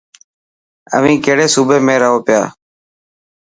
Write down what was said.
اوين ڪهڙي صوبي ۾ رهو پيا.